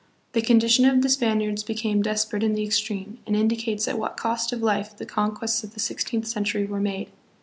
The condition of the Spaniards became desperate in the extreme, and indicates at what cost of life the con quests of the sixteenth century were made.